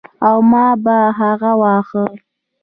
او ما به هغه واهه.